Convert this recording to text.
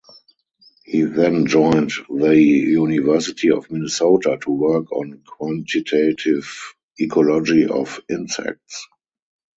He then joined the University of Minnesota to work on quantitative ecology of insects.